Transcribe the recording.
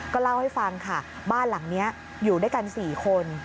ก็เล่าให้ฟังค่ะบ้านหลังนี้อยู่ด้วยกัน๔คน